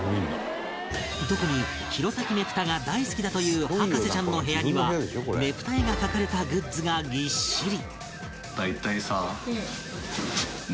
特に弘前ねぷたが大好きだという博士ちゃんの部屋にはねぷた絵が描かれたグッズがぎっしり！